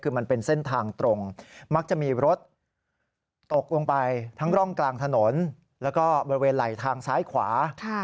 คือมันเป็นเส้นทางตรงมักจะมีรถตกลงไปทั้งร่องกลางถนนแล้วก็บริเวณไหล่ทางซ้ายขวา